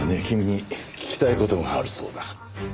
君に聞きたい事があるそうだ。